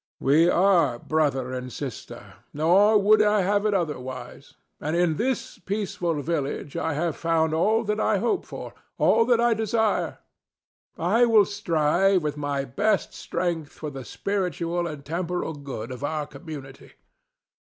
We are brother and sister, nor would I have it otherwise. And in this peaceful village I have found all that I hope for—all that I desire. I will strive with my best strength for the spiritual and temporal good of our community.